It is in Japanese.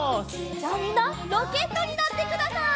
じゃみんなロケットになってください。